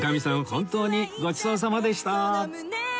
本当にごちそうさまでした！